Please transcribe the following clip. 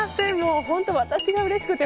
私がうれしくて。